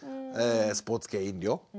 スポーツ系飲料？